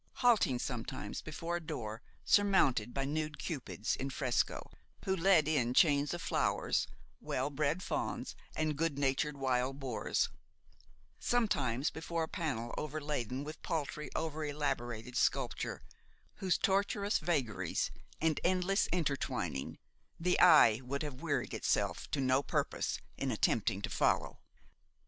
halting sometimes before a door surmounted by nude Cupids in fresco, who led in chains of flowers well bred fawns and good natured wild boars; sometimes before a panel overladen with paltry, over elaborated sculpture, whose tortuous vagaries and endless intertwining the eye would have wearied itself to no purpose in attempting to follow.